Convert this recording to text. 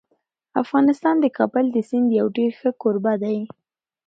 افغانستان د کابل د سیند یو ډېر ښه کوربه دی.